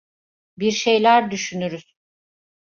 Bir şeyler düşünürüz.